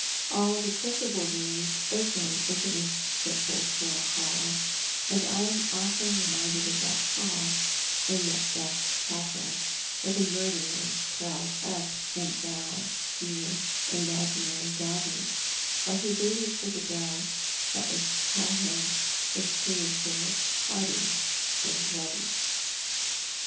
All the principal rooms open into this sepulchral hall, and I am often reminded of that hall in Macbeth's castle, where the murderer prowled up and down seeing imaginary daggers, while he waited for the bell that was to tell him his pre historic toddy was ready.